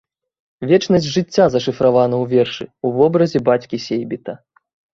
Вечнасць жыцця зашыфравана ў вершы ў вобразе бацькі-сейбіта.